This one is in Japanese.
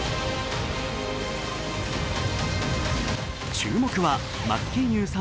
注目は、真剣佑さん